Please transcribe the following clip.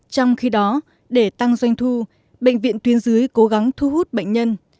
trong khi đó để tăng doanh thu bệnh viện tuyến dưới cố gắng thu hút bệnh nhân